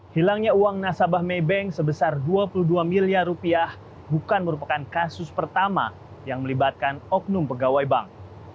hilangnya uang nasabah maybank sebesar dua puluh dua miliar rupiah bukan merupakan kasus pertama yang melibatkan oknum pegawai bank